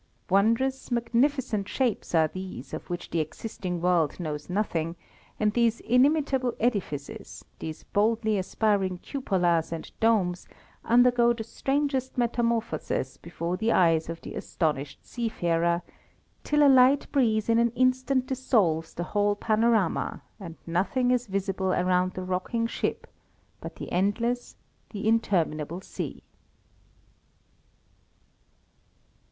Wondrous, magnificent shapes are these, of which the existing world knows nothing, and these inimitable edifices, these boldly aspiring cupolas and domes undergo the strangest metamorphoses before the eyes of the astonished seafarer, till a light breeze in an instant dissolves the whole panorama, and nothing is visible around the rocking ship but the endless, the interminable sea.